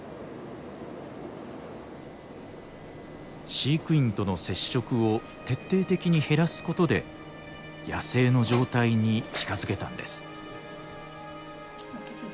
飼育員との接触を徹底的に減らすことで野生の状態に近づけたんです。